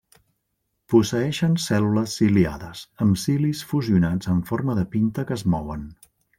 Posseeixen cèl·lules ciliades, amb cilis fusionats en forma de pinta que es mouen.